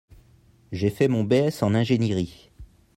J'ai fait mon B.S en ingiénierie.